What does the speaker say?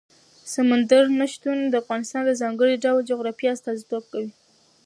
سمندر نه شتون د افغانستان د ځانګړي ډول جغرافیه استازیتوب کوي.